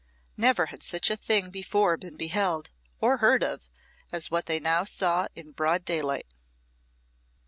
Never had such a thing before been beheld or heard of as what they now saw in broad daylight.